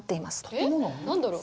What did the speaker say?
えっ何だろう？